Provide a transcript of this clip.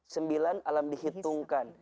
sembilan alam dihitungkan